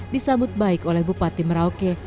disambut baik oleh bupati merauke